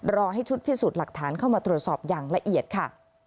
ให้ชุดพิสูจน์หลักฐานเข้ามาตรวจสอบอย่างละเอียดค่ะ